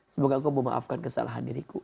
semoga kau memaafkan kesalahan diriku